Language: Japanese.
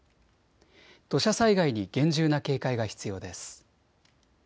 土砂災害に厳重な警戒が必要です。